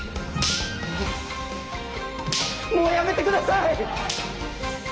もうやめて下さい！